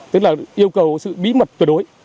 tức là yêu cầu sự bí mật tuyệt đối